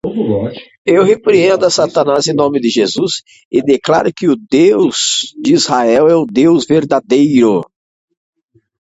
Eu declaro Satanás como o meu salvador e renuncio a qualquer outro Deus